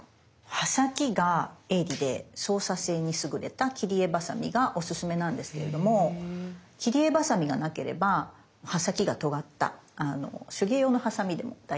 刃先が鋭利で操作性に優れた切り絵バサミがおすすめなんですけれども切り絵バサミがなければ刃先がとがった手芸用のハサミでも代用できます。